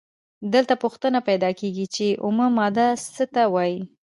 دلته پوښتنه پیدا کیږي چې اومه ماده څه ته وايي؟